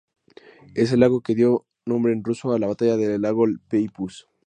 Es el lago que dio nombre en ruso a la batalla del Lago Peipus.